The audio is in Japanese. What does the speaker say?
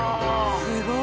すごい。